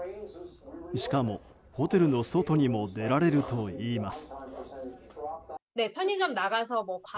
しかも、ホテルの外にも出られるといいます。